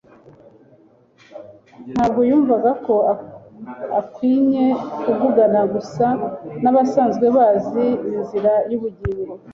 Ntabwo yumvaga ko akwinye kuvugana gusa n'abasanzwe bazi inzira y'ubugingo.